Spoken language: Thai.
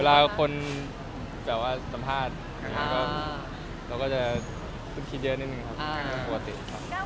ก็หาคาดหวังจากคำลักษณ์ทางนี้ทางหนักงี้